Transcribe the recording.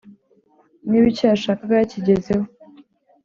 niba icyo yashakaga yakigezeho